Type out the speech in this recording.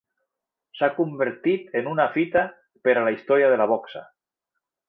S'ha convertit en una fita per a la història de la boxa.